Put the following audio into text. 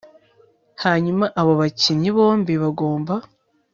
hanyuma abo bakinnyi bombi bagomba